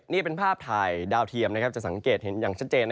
นี่เป็นภาพถ่ายดาวเทียมจะสังเกตเห็นอย่างชัดเจน